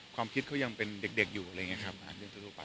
ความคิดเขายังเป็นเด็กเด็กอยู่อะไรอย่างเงี้ยครับอ่าเรื่องทั่วทั่วไป